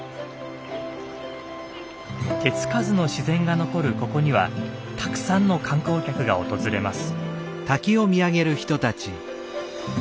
手つかずの自然が残るここにはたくさんの観光客が訪れます。